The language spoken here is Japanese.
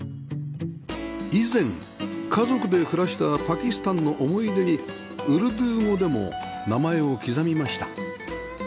以前家族で暮らしたパキスタンの思い出にウルドゥー語でも名前を刻みました